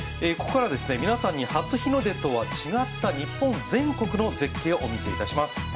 ここからは皆さんに初日の出とは違った日本全国の絶景をお見せします。